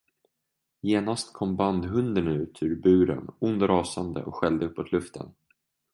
Genast kom bandhunden ut ur buren, ond och rasande, och skällde uppåt luften.